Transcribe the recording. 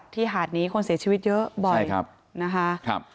หาดนี้คนเสียชีวิตเยอะบ่อยนะคะ